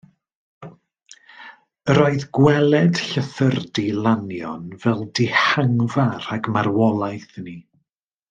Yr oedd gweled Llythyrdy Lannion fel dihangfa rhag marwolaeth inni.